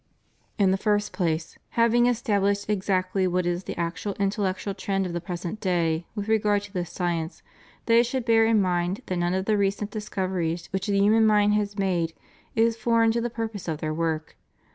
In the first place, having established exactly what is the actual intellectual trend of the present day with re gard to this science, they should bear in mind that none of the recent discoveries which the human mind has made is foreign to the purpose of their work.